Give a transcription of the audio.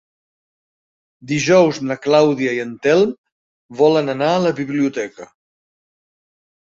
Dijous na Clàudia i en Telm volen anar a la biblioteca.